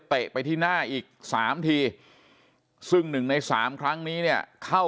ไปที่หน้าอีก๓ทีซึ่งหนึ่งในสามครั้งนี้เนี่ยเข้า